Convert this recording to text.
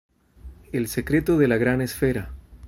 El secreto de la gran esfera.